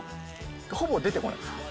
ほぼ出てこないです。